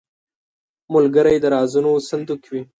ملګری د رازونو صندوق وي